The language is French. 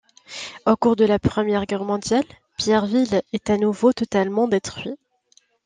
Au cours de la première guerre mondiale, Pierreville est à nouveau totalement détruit.